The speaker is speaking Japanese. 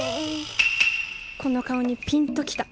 この顔にピンと来た。